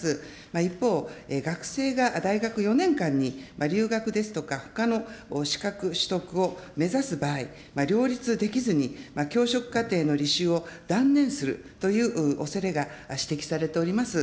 一方、学生が大学４年間に留学ですとか、ほかの資格取得を目指す場合、両立できずに教職課程の履修を断念するというおそれが指摘されております。